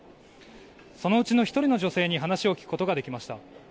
そのうちの１人の女性に話を聞くことができました。